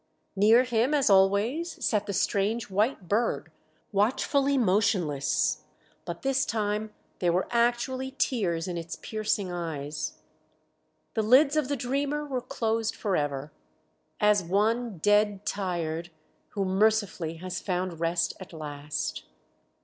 Near him, as always, sat the strange white bird watchfully motionless, but this time there were actually tears in its piercing eyes. The lids of the dreamer were closed for ever, as one, dead tired, who mercifully has found rest at last....